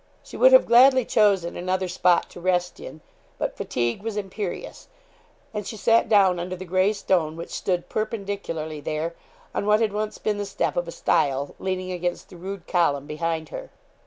She would have gladly chosen another spot to rest in, but fatigue was imperious; and she sat down under the gray stone which stood perpendicularly there, on what had once been the step of a stile, leaning against the rude column behind her.